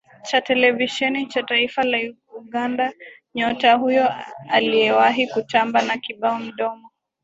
cha televisheni cha taifa la Uganda Nyota huyo aliyewahi kutamba na kibao mdomo